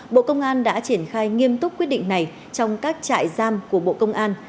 bộ công an đã triển khai nghiêm túc quyết định này trong các trại giam của bộ công an